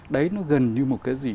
đấy nó gần như một cái gì